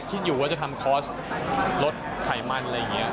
คิดอยู่ว่าจะทำคอร์สลดไขมันอะไรอย่างนี้